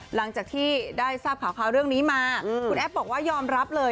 หลังจากที่ได้ทราบข่าวเรื่องนี้มาคุณแอฟบอกว่ายอมรับเลย